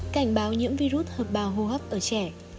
cảnh báo nhiễm virus hợp bào hô hấp ở trẻ